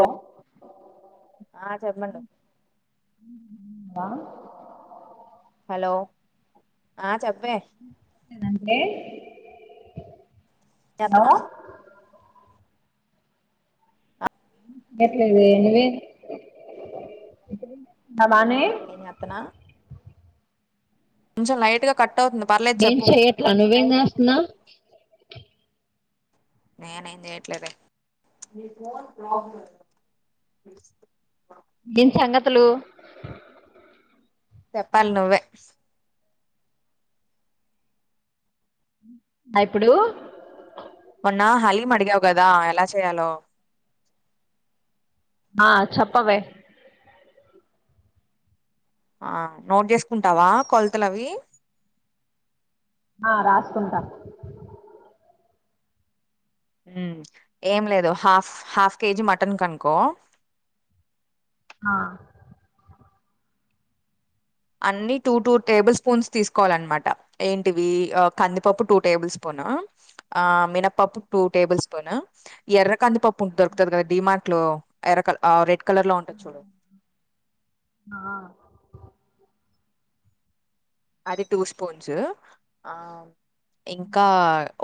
హఓ ఆ చెప్పండి ఆ హలో వే ఎందంటే హలో చేత్తన్నావ్ కేట్లేదు ఎనివే ఎమ్ చేతునవ్ కొంచెం లైట్ గా కట్ అవుతుంది పర్లేదు ఎమ్ చెప్పు చేయాట్ల నువెం చెస్టునవ్ నేనే ఏం చెయట్లేదే ని ఫోన్ ప్రాబ్లమ్ ఎమ్ సంగతులు చెప్పల్ నువే ఇప్పుడు మొన్న హలీమ అడిగావు కదా ఎలా చేయాలో ఆ చెప్పవే ఆ నోట్ చేసుకుంటావా కొలతల అవి ఆ రాసుకుంటా ఉమ్ ఏం లేదు హాఫ్ హాఫ్ కేజీ మటన్ కనుకో ఆ అన్ని టూ టూ టేబుల్ స్పూన్స్ తీసుకోవాలన్నమాట ఏంటివి కందిపప్పు టూ టేబుల్ స్పూను మినపప్పు టూ టేబుల్ స్పూను ఎర్ర కందిపప్పుంట దొరుకుతుంది కదా డిమార్ట్ లో ఎర్ర క రెడ్ కలర్ లో ఉంటది చూడు ఆ అది టూ స్పూన్స్ ఆ ఇంకా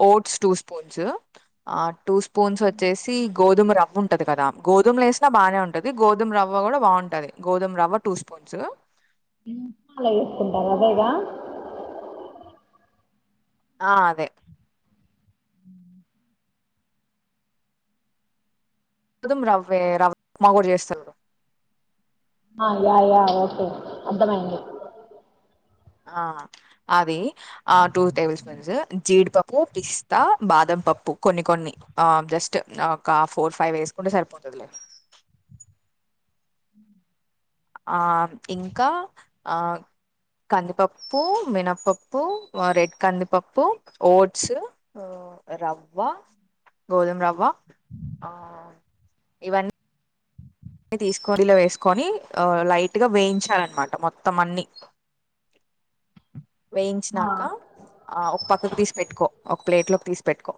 ఓట్స్ టూ స్పూన్స్ ఆ టూ స్పూన్స్ వచ్చేసి గోధుమ రవ్ ఉ ఉంటది కదా గోధుమ లేసినా బాగానే ఉంటది గోధుమ రవ్వ కూడా బాగుంటది గోధుమ రవ్వ టూ స్పూన్స్ ఉమ్ చాలా వేసుకుంటారు అదేగా ఆ అదే గోధం రవ్వే రవ్వ రవ్ఉప్మా కుడా చెస్టారు చూడు ఆ యా యా ఓకే అదమైంది ఆ అది ఆ టూ టేబుల్ స్పూన్సు జీడిపప్పు పిస్తా బాదం పప్పు కొన్ని కొన్ని ఆ జస్ట్ ఒక ఫోర్ ఫైవ్ వేసుకుంటే సరిపోతుందిలే ఆ ఇంకా ఆ కందిపప్పు మినపప్పు రెడ్ కందిపప్పు ఓట్స్ రవ్వ గోధుమ రవ్వ ఆ ఇవన్నీ తీసుకొని ఇలా వేసుకొని లైట్గా వేయించాలన్నమాట మొత్తం అన్ని ఆ వేయించినాక ఆ ఒక పక్కకి తీసి పెెట్టుకో ఒక ప్లేట్లోకి తీసి పెెట్టుకో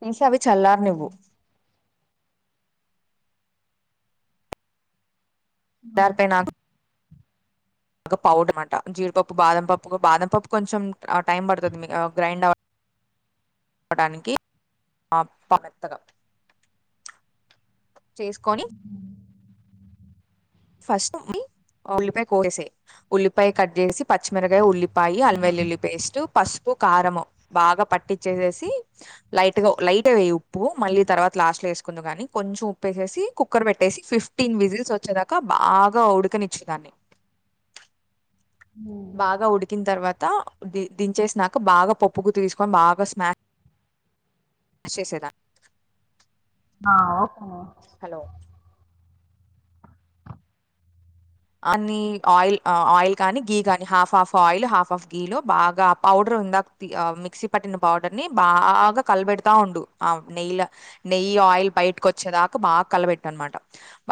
పీజ అవి చల్లారు నీవ్వు ఇర్పై నా బ పౌడ్ అనమాట జీడిపప్పు బాదంపప్పు బాదం పప్పు కొంచెం టైం పడుతుంది గ్రైండ్ అవ అవటానికి మెత్తగా చేసుకొని ఫస్ట్ ఉల్లిపాయ కోసాయి ఉల్లిపాయ కట్ చేసి పచ్చిమిరకాయ ఉల్లి పాయి అల్వై లిల్లి పేస్ట్ పసుపు కారం బాగా పట్టిచ్చేసేసి లైట్ గా లైట్ వే ఉప్పు మళ్ళీ తర్వాత లాస్ట్ లో వేసుకుంది కాని కొంచెం ఉప్పుేసేసి కుక్కర్ పెట్టేసి ఫిఫ్టీన్ విజిల్స్ వచ్చేదాకా ఇంకా బాగా ఉడుకనిచ్చేదాన్ని ఉమ్, బాగా ఉడికిన్ తర్వాత క ది దించేసి నాక బాగా పప్పుకు తీసుకొని బాగా స్మా చేేసేదా ఆ ఓ హలో అన్ని ఆయిల్ ఆయిల్ కానీ గీ కాని half of oil half of గీలు బాగా పౌడర్ ఉందాక మిక్సీ పట్టిన పౌడర్ ని బాగా కలబెడతా ఉండు ఆ నెయ్యిల నెయ్యి ఆయిల్ బయటకు వచ్చేదాకా బాగా కలబెట్టు అనమాట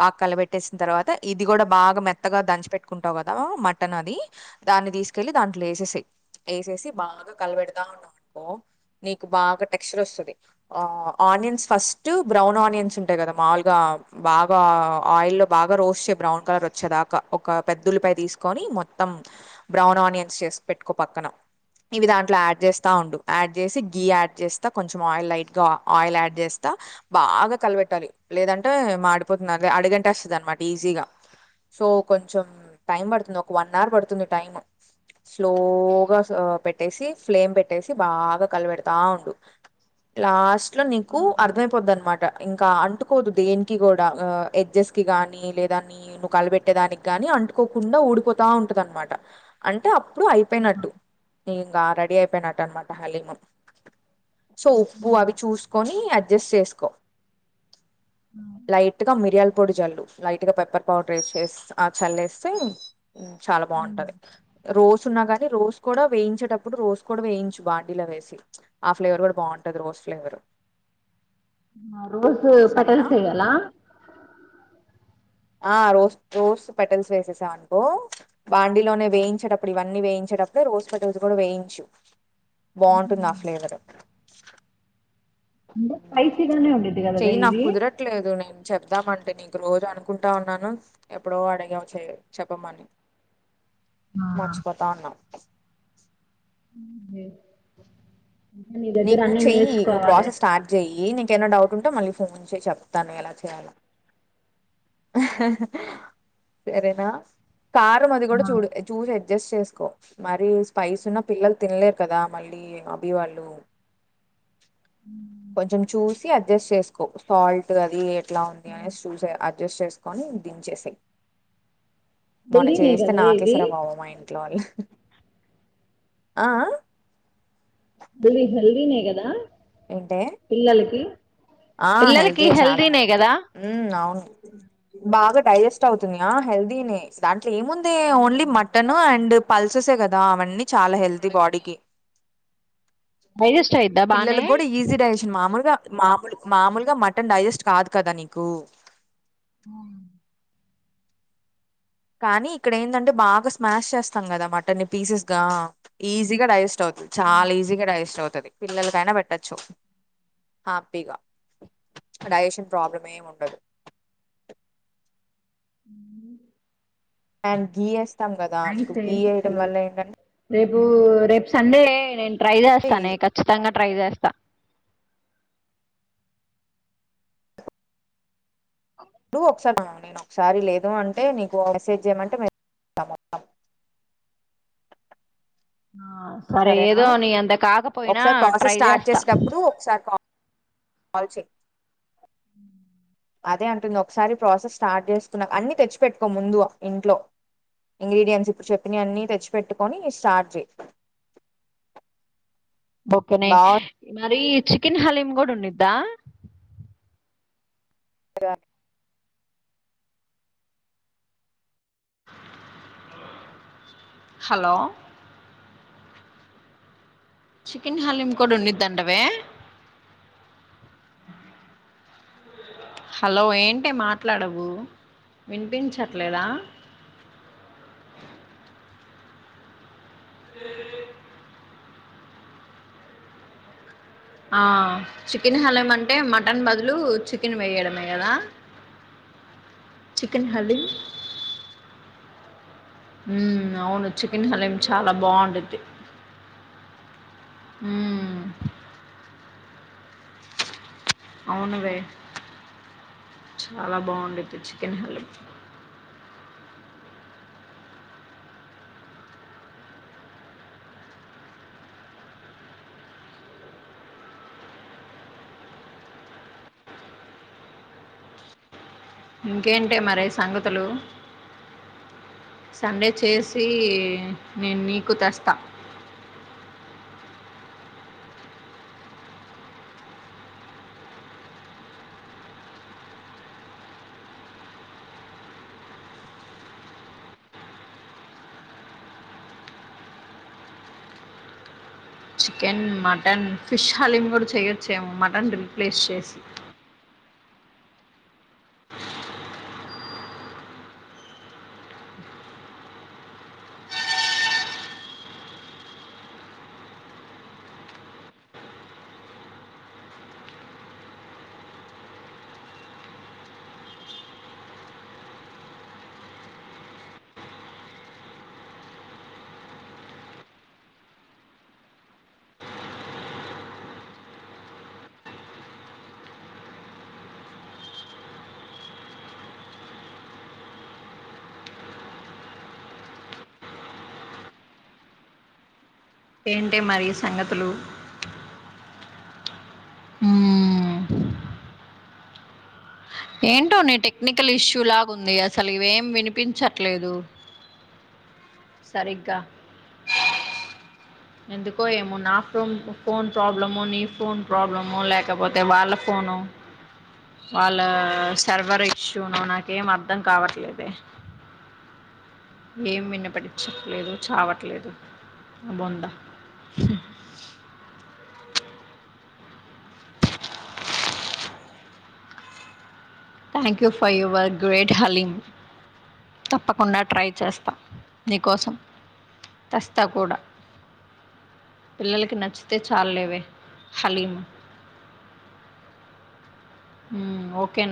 బాగా కలబెట్టేసిన తర్వాత ఇది కూడా బాగా మె త్తగా దంచి పెెట్టుకుంటావు కదా మటన్ అది దాన్ని తీసుకెళ్లి దాంట్లో వేసేసాయి వేసేసి బాగా కలవెడదా ఉన్నావు అనుకో నీకు బాగా టెక్స్చర్ వస్తుంది ఆ ఆనియన్స్ ఫస్ట్ బ్రౌన్ ఆనియన్స్ ఉంటాయి కదా మాములుగా బాగా ఆయిల్ లో బాగా రోస్ట్ చే బ్రౌన్ కలర్ వచ్చేదా క ఒక పెద్ద ఉల్లిపాయ తీసుకొని మొత్తం బ్రౌన్ ఆనియన్స్ చేసి పెట్టుకో పక్కన ఇవి దాంట్లో యాడ్ చేస్తా ఉండు యాడ్ చేసి గి యాడ్ చేస్తా కొంచెం ఆయిల్ లైట్ గా ఆయిల్ యాడ్ చేస్తా బాగా కలపెట్టాలి లేదంటే మాడిపోతుంది అడిగంటేస్తదనమాట ఈజీగా సో కొంచెం టైం పడుతుంది ఒక వన్ అవర్ పడుతుంది టైమ్ స్లోగా స పెట్టేసి ఫ్లేమ్ పెట్టేసి బాగా కలిపెడతా ఆ ఉండు లాస్ట్ లో నీకు అర్థమయిపోది అనమాట ఇంకా అంటుకోదు దేనికి కూడా ఎడ్జస్ కి కానీ లేదా నీ నువు కలిపెట్ అట్టే దానికి గాని అంటుకోకుండా ఊడిపోతా ఉంటది అనమాట అంటే అప్ ప్పుడు అయిపోయినట్టు న ఇంగ రెడీ అయి యట్నమాట హలీమ్ సో ఉప్పు ఉమ్, అవి చూసుకని అడ్జస్ట్ చేసుకో లైట్ గా మిరియాల్ పొడి చల్లు లైట్ గా పెపర్ పౌడర్ డ్రెయ్ చేస్ ఆ చల్లేస్తే చాలా ఉమ్. బాగుంటుంది రోస్ ఉన్నా కానీ రోస్ కూడా వేయించేటప్పుడు రోస్ కూడా వేయించు బాడీలో వేసి ఆ ఫ్లేవర్ కూడా బాగుంటది రోస్ ఫ్లేవరు రోజు పటల్ చేయాల ఆ రోస్ రోస్ పెటల్స్ వేసేసాం అనుకో బాండిీలోనే వేయించేటప్పుడు ఇవన్నీ వేయించేటప్పుడు రోస్ పెటల్స్ కూడా వేయించు బాగుంటుంది ఆ ఫ్లేవర్ స్పైసిగానే ఉండది కదా ఈది అంటే నీకు రోజు అనుకుంటా ఉన్నాను ఎప్పుడో అడిగావు చె చెప్పమని ఆ మార్చిపోతా ఉన్నా అదే. ఇంకా నీ దగ్గర నీకు అన్ని చెయ్యి నువ్వు నేర్చుకోవాలి ప్రాసెస్ స్టార్ట్ చెయ్యి నీకేమన్న డౌట్ ఉంటేో మళ్ళీ నుంచిే చెప్తాను ఎలా చేయాల సరేనా కారం అది ఆ! కూడా చూడు చూస అడ్జస్ట్ చేసుకో మరి స్పైస్ ఉన్న పిల్లలు తినలేరు కదా మళ్ళీ అభీ వాళ్ళు ఉ కొంచెం చూసి అడ్జస్ట్ చేసుకో సాల్ట్ అది లా ఉంది అనేసి సూజె అది అడ్జస్ట్ చేసుకొని దించేసెయ్ మొన హెల్దీనే చేస్తే కదా నాకే ఇది సరే బావం ఆయంలో ఆ హల్వి హల్వీినే గ నా ఏంటే పిల్లలకి ఆ పిల్లలకి హెల్దీయే చాలా హెల్దీనే హెల్దీ కదా ఉ అవును బాగా డైజెస్ట్ అవుతున్నాయా హెల్దీనే దాంట్లో ఏముంది ఓన్లీ మటన్ అండ్ పల్సెసే కదా అవన్నీ చాలా హెల్దీ బాడీకి డైజెస్ట్ అయిద్దా బానే పిల్లలకు కూడా ఈజీ డిజేషన్ మామూలుగా మామూలు మామూలుగా మటన్ డైజెస్ట్ కాదు కదా నీకు హ కానీ ఇక్కడ ఏంటంటే బాగా స్మాష్ చేస్తాం కదా మటన్ని పీసెస్ గా ఈజీగా డైజెస్ట్ చాలా ఈజీగా డైెస్ట్ అవుత పిల్లలకైనా పెట్టచ్చు హ్యాపీగా డైజెషన్ ప్రాబ్లం ఏమి ఉండదు అ అండ్ గిఎస్ ఇస్తాం కదా నీకు ఏ గీ వేయడం అసలు వల్ల ఏంటంటే రేపు సండే నే ట్రై చేస్తానే ఖచ్చితంగా ట్రై చేస్తా ఒకసారి నేను ఒకసారి లేదు అంటే నీకు మెసేజ్ చేయమంటే మెసేజ్ చేస్తా మొత్తం ఆ సరే సరేనా ఏదో నీఅంత కాకపోయినా ఒకసారి ట్రై ప్రాసెస్ చేస్తా ల్ చెయ్ అ అదే అంటుంది ఒకసారి ప్రాసెస్ స్టార్ట్ చేస్తున్నా అన్ని తెచ్చిపెట్టుకో ముందు ఇంట్లో ఇంగ్రీడియంట్స్ చెప్పిన అన్ని తెచ్చిపెట్టు అని స్టార్ట్ చెయ్ బొకనే మరి చికెన్ హలీం గోడు ఉండ్డిద్దా [unintelligible] హలో చికెన్ హలీం కూడా ఉండిద్దండవే హలో ఏంటే మాట్లాడవు వినిపించట్లేదా ఏ ఆ చికెన్ హలీం అంటే మటన్ బదులు చికెన్ వేయడమే కదా చికెన్ హలీ ఉ అవును చికెన్ హలీం చాలా బాగుండద్ది హ అవునవే చాలా బాగుండేది చికెన్ పల్ ఇంకేంటే మరి సంగతులు సండే చేసి నేను నీకు తెస్తా చికెన్ మటన్ ఫిష్ హలీం కూడా చెయ్యొచ్చేమో మటన్ రీప్లేస్ చేసి ఏంటే మరి సంగతులు మ్మ్ ఏంటో నీ టెక్నికల్ ఇష్యూ లాగా ఉంది అసలు ఇవేం వినిపించట్లేదు సరిగ్గా ఎందుకో ఏమో నా ఫో ఫోన్ ప్రాబ్లమో నీ ఫోన్ ప్రాబ్లమో లేకపోతే వాళ్ళ ఫోను వాళ్ళ సర్వర్ ఇష్యూనో నాకేం అర్థం కావట్లేదే ఏం విన్నపటించలేదు చావట్లేదు నా బొంద thank you for your great haleem తప్పకుండా ట్రై చేస్తా నీకోసం తెస్తా కూడా పిల్లలకి నచ్చితే చాలులేవే హలీము ఉం ఓకేనే